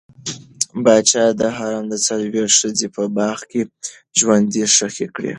پاچا د حرم څلوېښت ښځې په باغ کې ژوندۍ ښخې کړې.